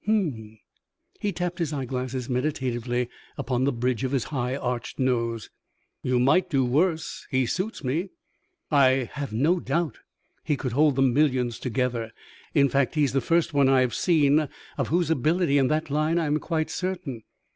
"H'm!" He tapped his eyeglasses meditatively upon the bridge of his high arched nose. "You might do worse. He suits me." "I have no doubt he could hold the millions together. In fact, he is the first one I have seen of whose ability in that line I am quite certain.